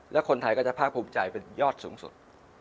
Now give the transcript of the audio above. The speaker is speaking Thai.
แล้วคนไทยก็จะภาคภูมิใจเป็นยอดสูงสุด